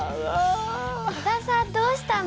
多田さんどうしたの？